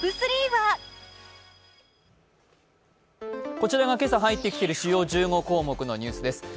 こちらが今朝入ってきている主要１５項目のニュースです。